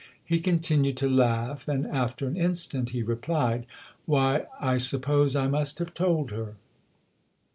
He continued to laugh and after an instant he replied :" Why, I suppose I must have told her."